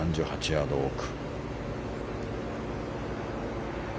３８ヤード奥。